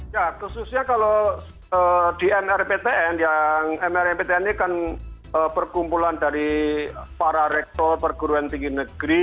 ya khususnya kalau di mrptn yang mrmptn ini kan perkumpulan dari para rektor perguruan tinggi negeri